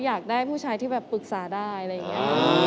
อยากได้ผู้ชายที่แบบปรึกษาได้อะไรอย่างนี้